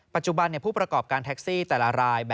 ปัจจุบันผู้ประกอบการแท็กซี่แต่ละราย